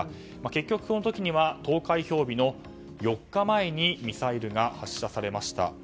結局、この時には投開票日４日前にミサイルが発射されました。